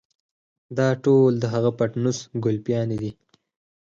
دا ټول د هغه پټنوس ګلپيانې دي.